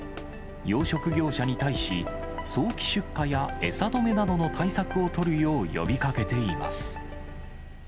養殖業者に対し、早期出荷や餌止めなどの対策を取るよう呼びかけています。